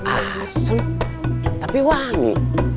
asem tapi wangi